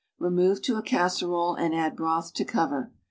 Remove to a casserole, and add broth to cover.